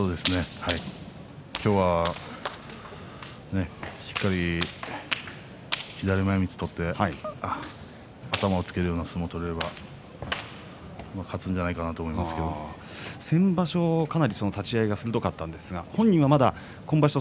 今日はしっかり左前みつ取って頭をつけるような相撲を取れれば勝つんじゃないかなと先場所かなり立ち合いは鋭かったんですが、本人はまだ今場所